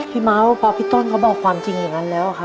เมาส์พอพี่ต้นเขาบอกความจริงอย่างนั้นแล้วครับ